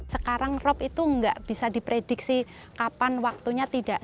sekarang rop itu nggak bisa diprediksi kapan waktunya tidak